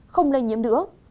không lây nhiễm nữa